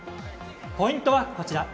ポイントはこちら。